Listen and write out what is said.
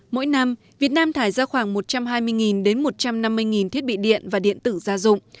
mỗi năm việt nam thải ra khoảng một trăm hai mươi đến một trăm năm mươi đồng